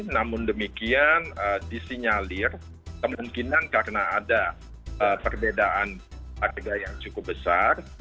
namun demikian disinyalir kemungkinan karena ada perbedaan harga yang cukup besar